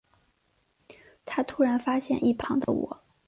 他突然发现一旁的我